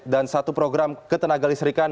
dan satu program ketenaga listrikan